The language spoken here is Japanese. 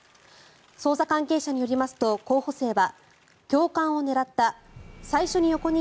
捜査関係者によりますと候補生は